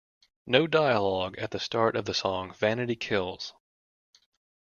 No dialogue at the start of the song "Vanity Kills".